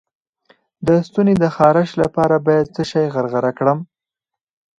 د ستوني د خارش لپاره باید څه شی غرغره کړم؟